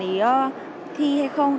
thì thi hay không